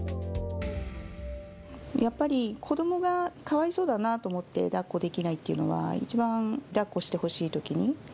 やっぱり子どもがかわいそうだなと思って、だっこできないっていうのは、一番だっこしてほしいときに。